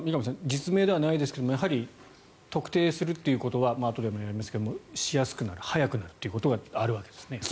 実名ではないですが特定するということはあとでもやりますがしやすくなる早くなるということがあるわけですね。